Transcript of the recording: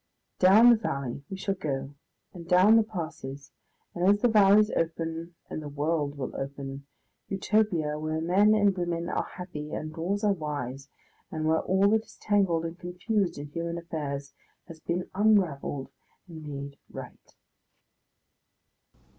Down the mountain we shall go and down the passes, and as the valleys open the world will open, Utopia, where men and women are happy and laws are wise, and where all that is tangled and confused in human affairs has been unravelled and made right.